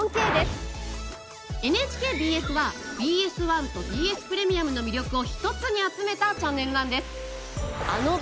ＮＨＫＢＳはＢＳ１とＢＳプレミアムの魅力を一つに集めたチャンネルなんです。